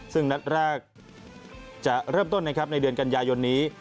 ซึ่งนัดแรกจะเริ่มต้นนะครับในเดือนกันยายนนี้